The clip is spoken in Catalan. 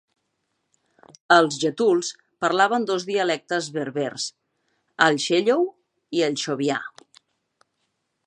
Els getuls parlaven dos dialectes berbers: el schellou i el schoviah.